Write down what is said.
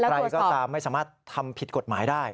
ใครก็ตามไม่สามารถทำผิดกฎหมายได้